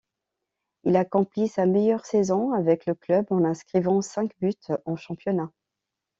Il accomplit sa meilleure saison avec le club en inscrivant cinq buts en championnat.